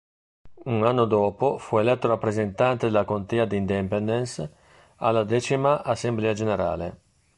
Un anno dopo fu eletto rappresentante della contea di Independence alla decima assemblea generale.